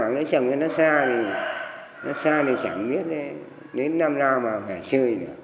nói chồng với nó xa thì chẳng biết đến năm nào mà mẹ chơi nữa